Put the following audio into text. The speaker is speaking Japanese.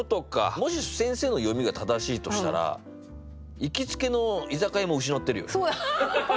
もし先生の読みが正しいとしたら行きつけの居酒屋も失ってるよね。